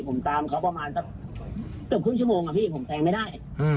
ผมตามเขาประมาณสักเกือบครึ่งชั่วโมงอะพี่ผมแซงไม่ได้